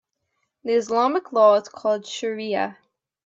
The Islamic law is called shariah.